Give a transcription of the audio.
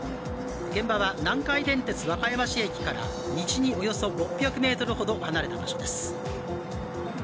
現場は南海電鉄・和歌山市駅から西におよそ６００ｍほど離れた場所です。